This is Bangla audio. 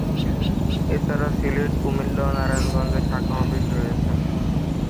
এছাড়া সিলেট, কুমিল্লা ও নারায়ণগঞ্জে শাখা অফিস রয়েছে।